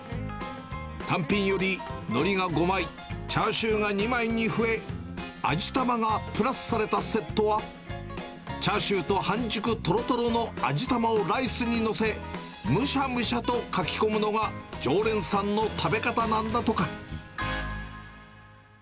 単品より、のりが５枚、チャーシューが２枚に増え、味玉がプラスされたセットは、チャーシューと半熟とろとろの味玉をライスに載せ、むしゃむしゃとかきこむのが常連さんの食べ方なんだとか。